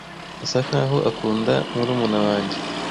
Asa nkaho akunda murumuna wanjye.